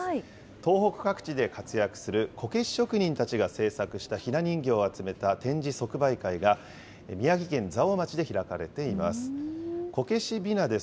東北各地で活躍するこけし職人たちが制作したひな人形を集めた展示即売会が、宮城県蔵王町で開かれています。